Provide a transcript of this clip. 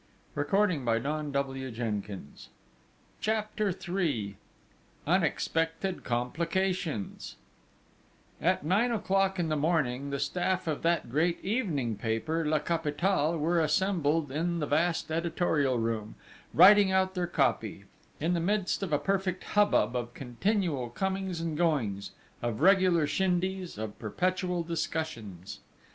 She wrote on, and on, without intermission. III UNEXPECTED COMPLICATIONS At nine o'clock in the morning, the staff of that great evening paper, La Capitale, were assembled in the vast editorial room, writing out their copy, in the midst of a perfect hubbub of continual comings and goings, of regular shindies, of perpetual discussions.